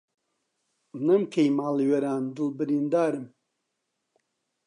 نەم کەی ماڵ وێران دڵ بریندارم